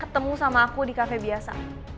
ketemu sama aku di kafe biasa